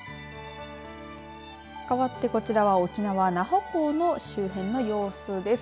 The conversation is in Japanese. かわってこちらは沖縄那覇港の周辺の様子です。